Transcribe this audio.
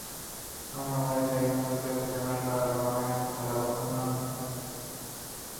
আমরা মালয়েশিয়াকে অনুরোধ করেছি যেন তারা বনায়ন ছাড়াও অন্যান্য খাতে লোক নেয়।